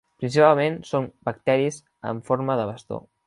Principalment són bacteris amb forma de bastó.